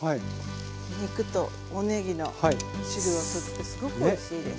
肉とおねぎの汁を吸ってすごくおいしいです。